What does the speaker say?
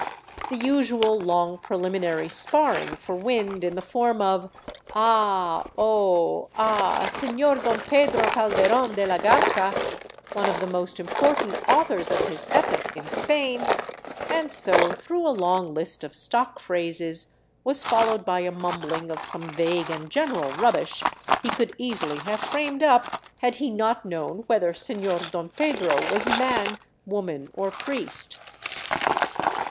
The usual long preliminary sparring for wind in the form of " Ah oh ah, Senor Don Pedro Calde ron de la Garca, one of the most important authors of his epoch in Spain," and so through a long list of stock phrases, was followed by a mumbling of some vague and general rubbish he could easily have framed up had he not known whether Senor Don Pedro was man, woman, or priest.